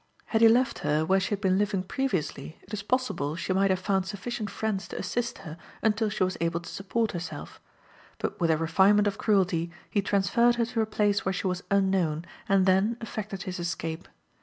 Had he left her where she had been living previously, it is possible she might have found sufficient friends to assist her until she was able to support herself; but with a refinement of cruelty he transferred her to a place where she was unknown, and then effected his escape.